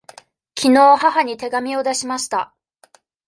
きのう母に手紙を出しました。